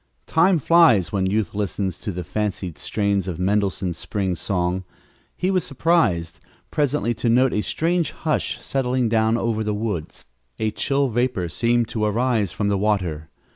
Time flies when youth listens to the fancied strains of Mendelssohn's Spring Song. He was surprised, presently, to note a strange hush settling down over the woods. A chill vapor seemed to arise from the water.